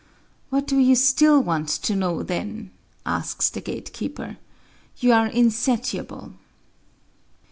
"What do you still want to know, then?" asks the gatekeeper. "You are insatiable."